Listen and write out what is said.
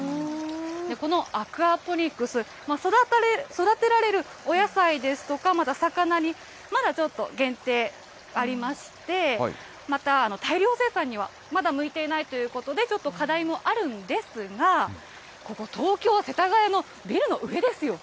このアクアポニックス、育てられるお野菜ですとか、まだ魚に、まだちょっと限定ありまして、また、大量生産にはまだ向いていないということで、ちょっと課題もあるんですが、ここ、東京・世田谷のビルの上ですよ。